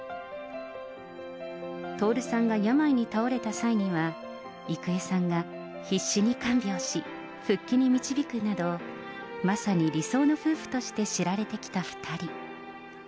徹さんが病に倒れた際にも、郁恵さんが必死に看病し、復帰に導くなど、まさに理想の夫婦として知られてきた２人。